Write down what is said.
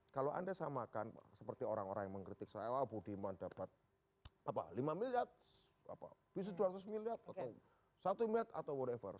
kalau anda samakan seperti orang orang yang mengkritik saya wah budiman dapat lima miliar bisa dua ratus miliar atau satu miliar atau wriver